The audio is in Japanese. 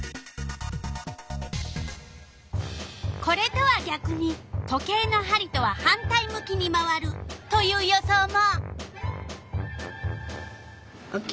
これとはぎゃくに時計のはりとは反対向きに回るという予想も。